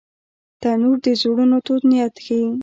تنور د زړونو تود نیت ښيي